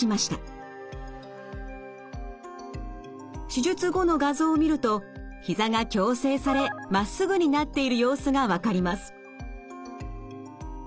手術後の画像を見るとひざが矯正されまっすぐになっている様子が分かります。